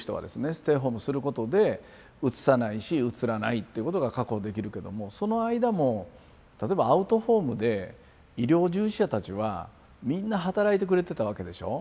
ステイホームすることでうつさないしうつらないっていうことが確保できるけどもその間も例えばアウトホームで医療従事者たちはみんな働いてくれてたわけでしょ。